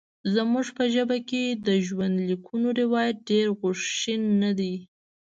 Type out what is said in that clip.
زموږ په ژبه کې د ژوندلیکونو روایت ډېر غوښین نه دی.